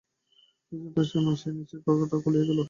কিন্তু যথাসময়েই তাহার সেই নীচের ঘরটার তালা খুলিয়া গেল।